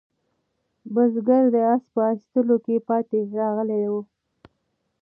بزګر د آس په ایستلو کې پاتې راغلی و.